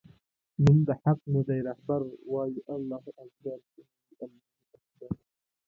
نوم د حق مودی رهبر وایو الله اکبر وایو الله اکبر